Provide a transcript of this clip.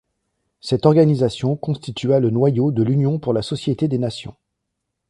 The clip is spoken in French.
Cette organisation constitua le noyau de l’union pour la Société des Nations.